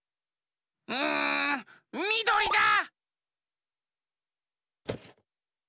うんみどりだ！